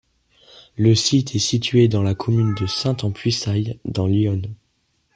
Le site est situé sur la commune de Saints-en-Puisaye dans l'Yonne.